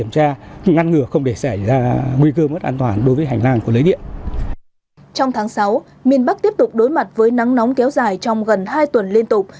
trong tháng sáu miền bắc tiếp tục đối mặt với nắng nóng kéo dài trong gần hai tuần liên tục